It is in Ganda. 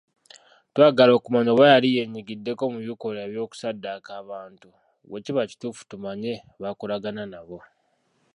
Twagala okumanya oba yali yeenyigiddeko mu bikolwa by'okusaddaaka abantu, bwe kiba kituufu tumanye b'akolagana nabo.